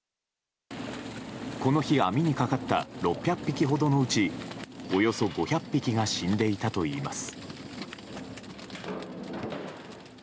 この日網にかかった６００匹ほどのうちおよそ５００匹が死んでいたといいます。